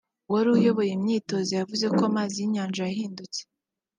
uwari uyoboye imyitozo yavuze ko amazi y'inyanja yahindutse